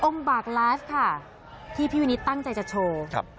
องค์บาทไลฟ์ค่ะที่พี่วินิสตั้งใจจะโชว์